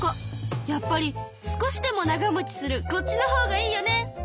やっぱり少しでも長もちするこっちのほうがいいよね！